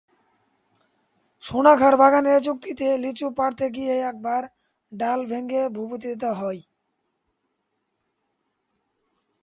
সোনা খাঁর বাগানে চুক্তিতে লিচু পাড়তে গিয়ে একবার ডাল ভেঙে ভূপতিত হয়।